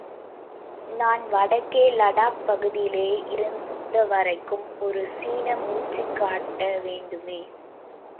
நான் வடக்கே லடாக் பகுதியிலே இருந்தவரைக்கும் ஒரு சீனன் மூச்சுக் காட்ட வேணுமே!...